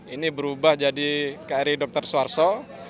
ini berubah jadi kri dr suharto